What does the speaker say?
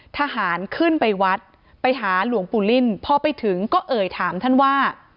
ทหารขึ้นไปวัดไปหาหลวงปู่ลิ่นพอไปถึงก็เอ่ยถามท่านว่า